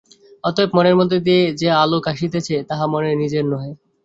অতএব মনের মধ্য দিয়া যে আলোক আসিতেছে, তাহা মনের নিজের নহে।